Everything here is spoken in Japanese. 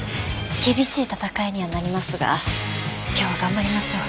厳しい戦いにはなりますが今日は頑張りましょう。